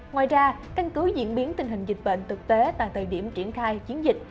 ngoài ra căn cứ diễn biến tình hình dịch bệnh thực tế tại thời điểm triển khai chiến dịch